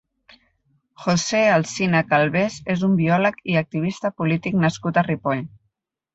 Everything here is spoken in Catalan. José Alsina Calvés és un biòleg i activista polític nascut a Ripoll.